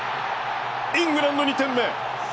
イングランド、２点目。